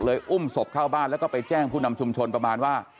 อุ้มศพเข้าบ้านแล้วก็ไปแจ้งผู้นำชุมชนประมาณว่า